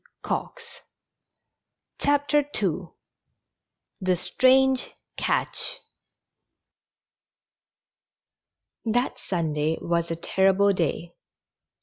o : CHAPTER II THE STRANGE CATCH. T hat Sunday was a terrible day.